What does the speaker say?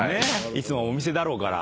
いつもお店だろうから。